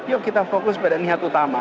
yuk kita fokus pada niat utama